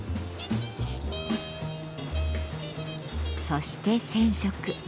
そして染色。